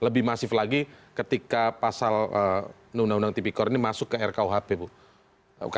lebih masif lagi ketika pasal undang undang tipikor ini masuk ke rkuhp bu